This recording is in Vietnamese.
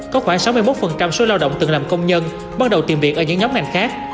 có khoảng sáu mươi một số lao động từng làm công nhân bắt đầu tìm việc ở những nhóm ngành khác